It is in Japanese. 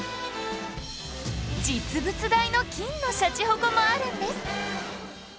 実物大の金のシャチホコもあるんです